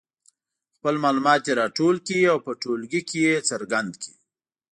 خپل معلومات دې راټول کړي او په ټولګي کې یې څرګند کړي.